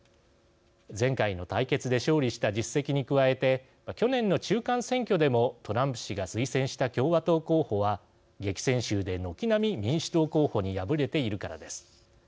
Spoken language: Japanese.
前回の対決で勝利した実績に加えて去年の中間選挙でもトランプ氏が推薦した共和党候補は激戦州で軒並み民主党候補に敗れているからです。